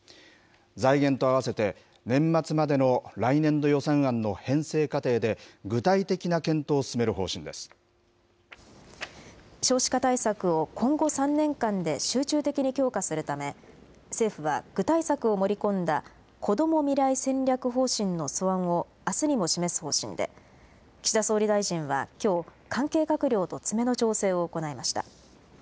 財源とあわせて、年末までの来年度予算案の編成過程で、少子化対策を今後３年間で集中的に強化するため、政府は具体策を盛り込んだこども未来戦略方針の素案を、あすにも示す方針で、岸田総理大臣はきょう、関係閣僚と詰めの調整を行いました。